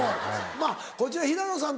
まぁこちら平野さん